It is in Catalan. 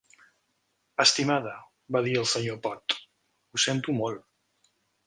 "Estimada", va dir el Sr Pott, "Ho sento molt".